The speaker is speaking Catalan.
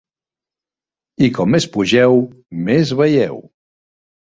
...i com més pugeu més veieu.